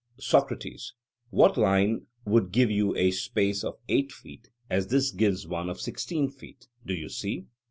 SOCRATES: What line would give you a space of eight feet, as this gives one of sixteen feet; do you see?